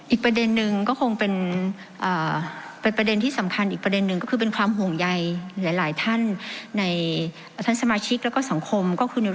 อีกประเด็นนึงก็คงเป็นประเด็นที่สำคัญอีกประเด็นหนึ่งก็คือเป็นความห่วงใยหลายท่านในท่านสมาชิกแล้วก็สังคมก็คือใน